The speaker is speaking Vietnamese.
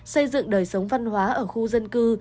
xây dựng đời sống văn hóa ở khu dân cư